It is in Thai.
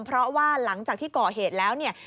เพราะว่าหลังจากที่ก่อเหตุแล้วเนี่ย